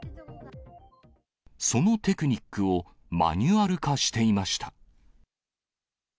そのテクニックをマニュアル化していました。